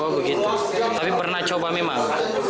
oh begitu tapi pernah coba memang